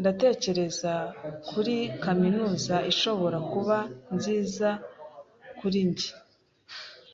Ndatekereza kuri kaminuza ishobora kuba nziza kuri njye.